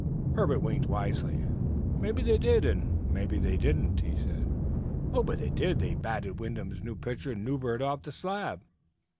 Herbert winked wisely. "Maybe they did, and maybe they didn't," he said. "Oh, but they did! They batted Wyndham's new pitcher, Newbert, off the slab."